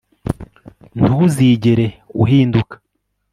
ntuzigere uhinduka